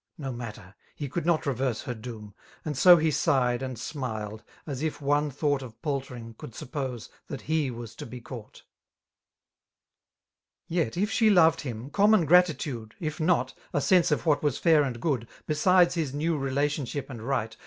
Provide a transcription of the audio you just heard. — No matter; — he could not reverse her doom 5 59 And so he sighed and smiled, as if one thought Of palteriiig could suppose that h§ was to be caught^ Yet if she loved him^ common gratitude^ If not^ a sense of what was fair and good» Besides his new relationship and right.